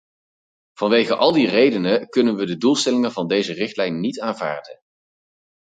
Vanwege al die redenen kunnen we de doelstellingen van deze richtlijn niet aanvaarden.